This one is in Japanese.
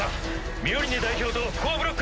ミオリネ代表とコアブロックに。